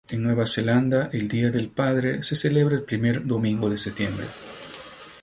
En Nueva Zelanda el Día del Padre se celebra el primer domingo de septiembre.